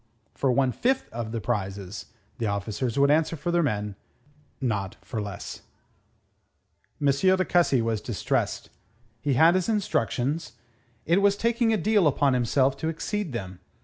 For one fifth of the prizes, the officers would answer for their men; not for less. M. de Cussy was distressed. He had his instructions. It was taking a deal upon himself to exceed them.